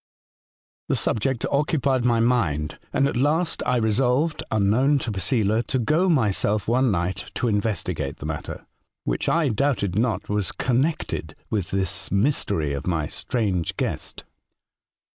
*' The subject occupied my mind, and at last I resolved, unknown to Posela, to go myself one night to investigate the matter, which I doubted not was connected with this mystery or my strange guest.